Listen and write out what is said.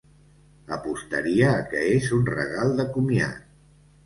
Apostaria a que és un regal de comiat.